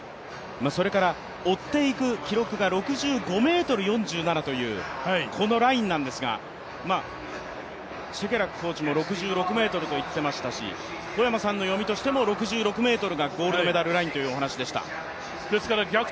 それから追っていく記録が６５ｍ４７というこのラインなんですがシェケラックコーチも６６ｍと言っていましたし小山さんの読みとしても６６ｍがゴールドメダルラインというお話でした。